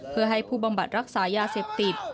เพื่อให้ผู้บำบัดรักษายาเสพติด